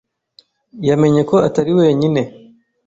Yamenye ko atari wenyine.